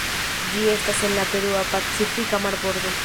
Ĝi estas en la Perua Pacifika marbordo.